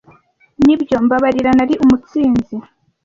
nibyo mbabarira nari umutsinzi